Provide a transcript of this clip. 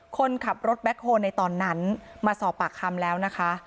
คนขับรถแบ็คโฮลในตอนนั้นมาสอบปากคำแล้วนะคะ